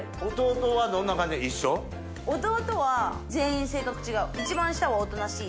弟は全員性格違う。